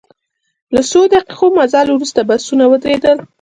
له څو دقیقو مزل وروسته بسونه ودرېدل.